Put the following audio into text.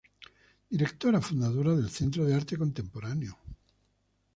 Directora Fundadora del Centro de Arte Contemporáneo.